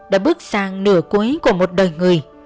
đã bước sang nửa cuối của một đời người